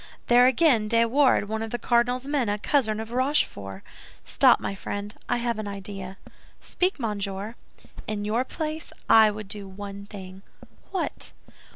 "There again! De Wardes, one of the cardinal's men, a cousin of Rochefort! Stop, my friend, I have an idea." "Speak, monsieur." "In your place, I would do one thing." "What?"